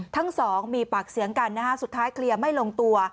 ทั้งสองมีปากเสียงกันนะฮะสุดท้ายเคลียร์ไม่ลงตัว